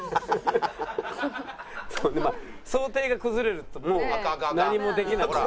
想定が崩れるともう何もできなくなっちゃう。